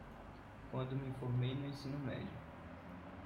Quando me formei no ensino médio